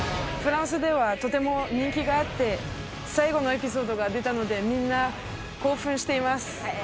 フランスではとても人気があって最後のエピソードが出たのでみんな興奮しています